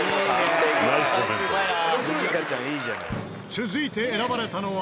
「」続いて選ばれたのは。